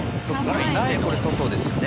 ないこれ外ですよね。